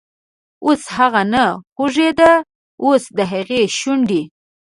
اوس هغه نه خوږیده، اوس دهغې شونډې،